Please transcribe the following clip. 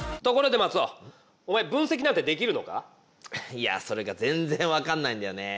いやそれが全然わかんないんだよね。